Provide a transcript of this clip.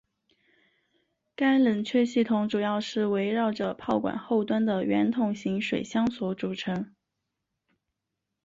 该冷却系统主要是围绕着炮管后端的圆筒形水箱所组成。